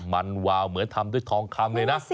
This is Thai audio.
มันวาวเหมือนทำด้วยทองคำเลยนะ